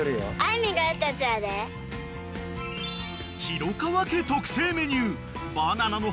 ［廣川家特製メニュー］